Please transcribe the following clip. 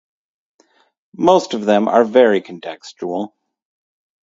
Most of them are very contextual.